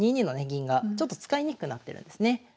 銀がちょっと使いにくくなってるんですね。